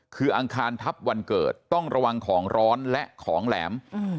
คืออังคารทัพวันเกิดต้องระวังของร้อนและของแหลม